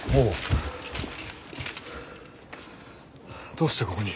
どうしてここに。